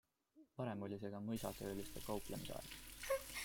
Varem oli see ka mõisatööliste kauplemise aeg.